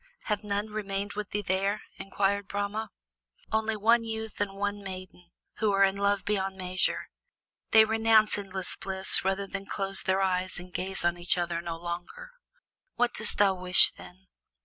"Have none remained with thee there?" inquired Brahma. "Only one youth and one maiden, who are in love beyond measure; they renounce endless bliss rather than close their eyes and gaze on each other no longer." "What dost thou wish, then?"